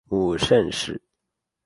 母盛氏。